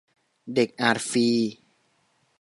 เด็กอาจฟรี